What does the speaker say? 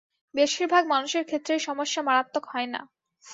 বেশিরভাগ মানুষের ক্ষেত্রে এই সমস্যা মারাত্মক হয় না।